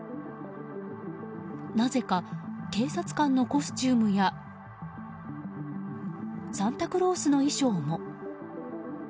なぜか警察官のコスチュームやサンタクロースの衣装も。